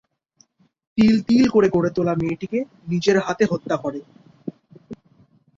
তিল তিল করে গড়ে তোলা মেয়েটিকে নিজের হাতে হত্যা করে।